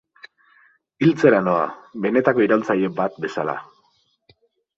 Hiltzera noa, benetako iraultzaile bat bezala.